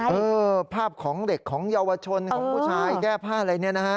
เออภาพของเด็กของเยาวชนของผู้ชายแก้ผ้าอะไรเนี่ยนะฮะ